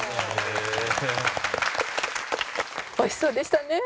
おいしそうでしたね。